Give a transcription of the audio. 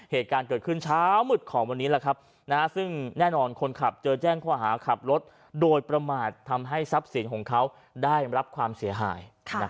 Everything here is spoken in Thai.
เหตุการณ์เกิดขึ้นเช้ามืดของวันนี้ซึ่งแน่นอนคนขับเจอแจ้งข้อหาขับรถโดยประมาททำให้ทรัพย์สินของเขาได้รับความเสียหาย